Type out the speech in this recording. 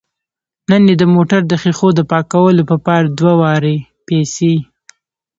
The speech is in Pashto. نن یې د موټر د ښیښو د پاکولو په پار دوه واره پیسې